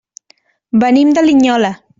Venim de Linyola.